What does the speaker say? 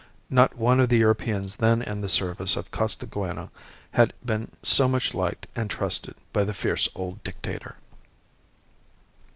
Not one of the Europeans then in the service of Costaguana had been so much liked and trusted by the fierce old Dictator.